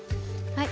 はい。